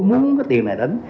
muốn cái tiền này